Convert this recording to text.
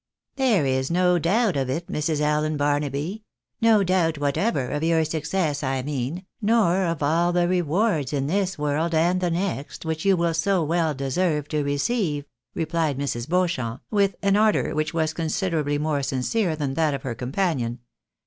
" There is no doubt of it, Mrs. Allen Barnaby — no doubt whatever, of your success I mean »or of all the rewards in this A MODEST AUTHOKESS. 77 world and the next, which you will so well deserve to receive," replied Mrs. Beauchamp, with an ardour which was considerably more sincere than that of her companion.